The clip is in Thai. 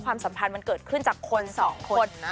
ความสัมพันธ์มันเกิดขึ้นจากคน๒คนนะ